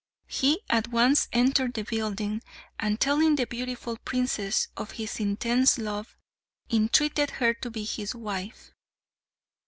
He at once entered the building, and telling the beautiful princess of his intense love, entreated her to be his wife.